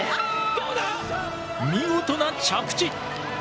見事な着地！